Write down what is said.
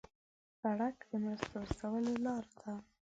سړک د مرستو رسولو لار ده.